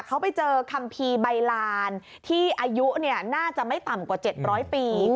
เขาไปเจอคัมภีร์ใบลานที่อายุน่าจะไม่ต่ำกว่า๗๐๐ปี